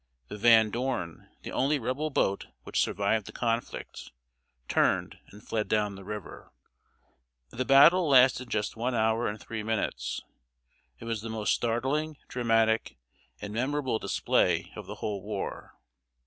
The Van Dorn, the only Rebel boat which survived the conflict, turned and fled down the river. The battle lasted just one hour and three minutes. It was the most startling, dramatic, and memorable display of the whole war.